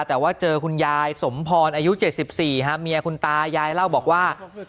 แต่ว่าเจอคุณยายสมพรอายุ๗๔เมียคุณตายายเล่าบอกว่า